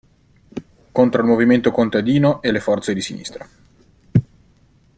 Contro il movimento contadino e le forze di sinistra.